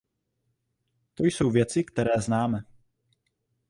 To jsou věci, které známe.